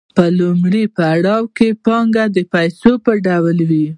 په لومړي پړاو کې پانګه د پیسو په ډول وي